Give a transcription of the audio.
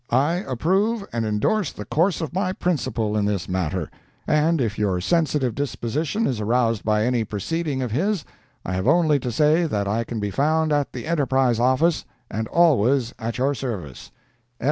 I approve and endorse the course of my principal in this matter, and if your sensitive disposition is aroused by any proceeding of his, I have only to say that I can be found at the ENTERPRISE office, and always at your service.